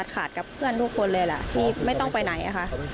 ขาดกับเพื่อนทุกคนเลยล่ะที่ไม่ต้องไปไหนค่ะ